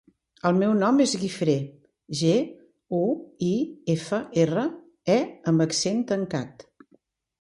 El meu nom és Guifré: ge, u, i, efa, erra, e amb accent tancat.